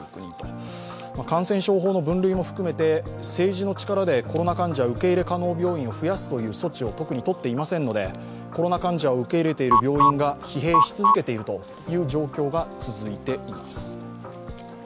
感染症法の分類も含めて政治の力でコロナ患者受け入れ可能病院を増やすという措置を特に取っていませんので、コロナ患者を受け入れている病院が疲弊し続けている状況が続いています。